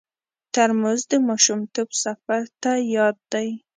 ترموز د ماشومتوب سفر ته یاد دی.